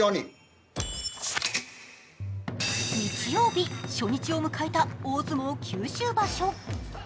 日曜日、初日を迎えた大相撲九州場所。